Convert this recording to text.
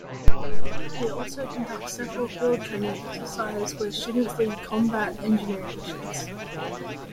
They also conduct several field training exercise where students lead combat engineering missions.